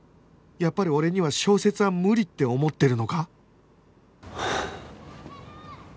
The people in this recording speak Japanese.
やっぱり俺には小説は無理って思ってるのか？